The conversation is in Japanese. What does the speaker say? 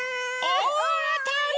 おおあたり！